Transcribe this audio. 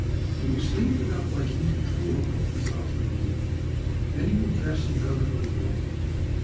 You will sleep without waking till four o'clock this afternoon; then you will dress and go for a walk.